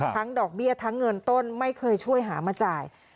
ดอกเบี้ยทั้งเงินต้นไม่เคยช่วยหามาจ่าย